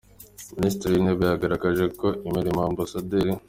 Minisitiri w’Intebe yagaragaje ko imirimo Amb.